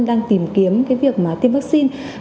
đang tìm kiếm cái việc mà tiêm vaccine